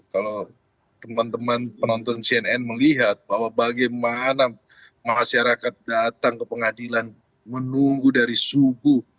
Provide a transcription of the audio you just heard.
kalau teman teman penonton cnn melihat bahwa bagaimana masyarakat datang ke pengadilan menunggu dari subuh